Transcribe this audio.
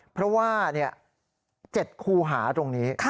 เพราะว่า๗คูหาตรงนี้